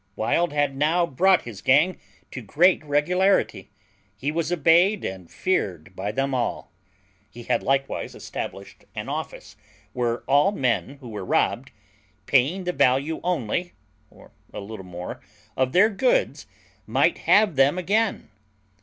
Wild had now brought his gang to great regularity: he was obeyed and feared by them all. He had likewise established an office, where all men who were robbed, paying the value only (or a little more) of their goods, might have them again.